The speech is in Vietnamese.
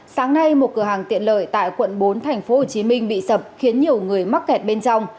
sáng nay một cửa hàng tiện lợi tại quận bốn tp hcm bị sập khiến nhiều người mắc kẹt bên trong